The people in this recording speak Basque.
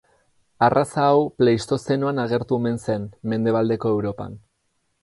Arraza hau Pleistozenoan agertu omen zen Mendebaldeko Europan.